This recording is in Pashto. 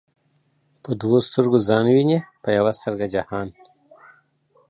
په دوو ستر گو ځان ويني په يوه سترگه جهان